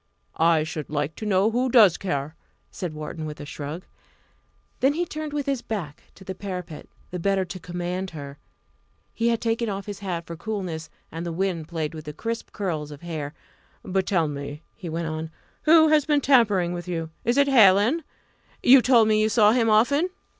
"I should like to know who does care!" said Wharton, with a shrug. Then he turned with his back to the parapet, the better to command her. He had taken off his hat for coolness, and the wind played with the crisp curls of hair. "But tell me" he went on "who has been tampering with you? Is it Hallin? You told me you saw him often."